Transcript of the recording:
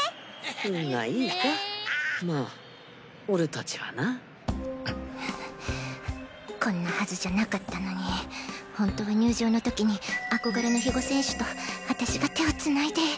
運がいいかまあ俺達はな。こんなはずじゃなかったのに本当は入場の時に憧れの比護選手と私が手をつないで。